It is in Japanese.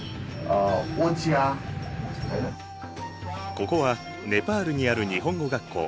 ここはネパールにある日本語学校。